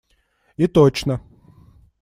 И точно.